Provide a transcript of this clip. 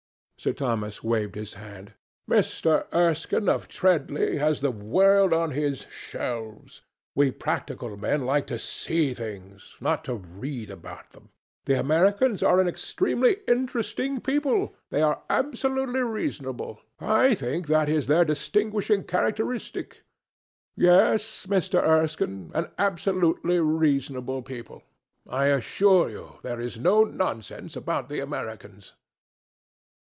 Sir Thomas waved his hand. "Mr. Erskine of Treadley has the world on his shelves. We practical men like to see things, not to read about them. The Americans are an extremely interesting people. They are absolutely reasonable. I think that is their distinguishing characteristic. Yes, Mr. Erskine, an absolutely reasonable people. I assure you there is no nonsense about the Americans."